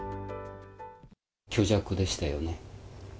虚弱でしたよね。